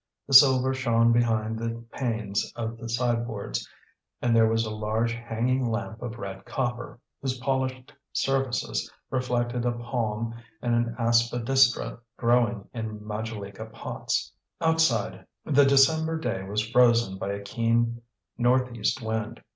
The silver shone behind the panes of the sideboards; and there was a large hanging lamp of red copper, whose polished surfaces reflected a palm and an aspidistra growing in majolica pots. Outside, the December day was frozen by a keen north east wind.